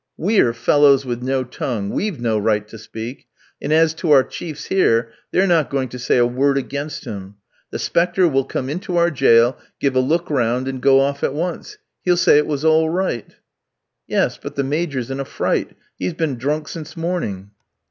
We're fellows with no tongue, we've no right to speak; and as to our chiefs here, they're not going to say a word against him. The 'spector will come into our jail, give a look round, and go off at once; he'll say it was all right." "Yes, but the Major's in a fright; he's been drunk since morning."